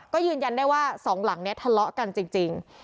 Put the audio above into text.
ก็ยืนยันได้ว่าสองหลังนี้ทะเลาะกันจริง